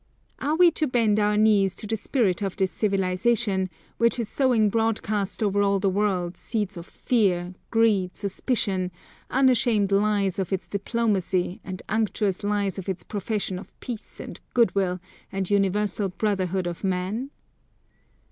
Are we to bend our knees to the spirit of this civilisation, which is sowing broadcast over all the world seeds of fear, greed, suspicion, unashamed lies of its diplomacy, and unctuous lies of its profession of peace and good will and universal brotherhood of Man?